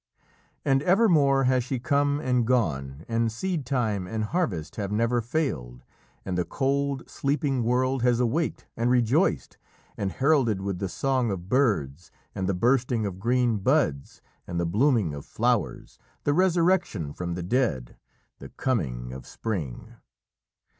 And evermore has she come and gone, and seedtime and harvest have never failed, and the cold, sleeping world has awaked and rejoiced, and heralded with the song of birds, and the bursting of green buds and the blooming of flowers, the resurrection from the dead the coming of spring.